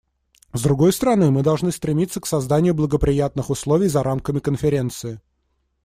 С другой стороны, мы должны стремиться к созданию благоприятных условий за рамками Конференции.